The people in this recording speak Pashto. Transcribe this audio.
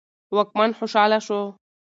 واکمن خوشاله شو.